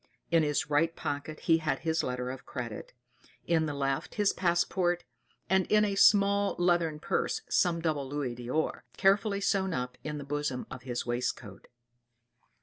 In his right pocket he had his letter of credit, in the left, his passport, and in a small leathern purse some double louis d'or, carefully sewn up in the bosom of his waistcoat.